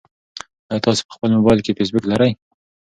ایا تاسي په خپل موبایل کې فېسبوک لرئ؟